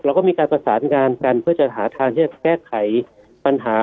เราก็มีการประสานงานกันเพื่อจะหาทางที่จะแก้ไขปัญหา